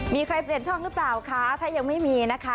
มีใครเปลี่ยนช่องหรือเปล่าคะถ้ายังไม่มีนะคะ